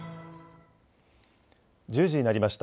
１０時になりました。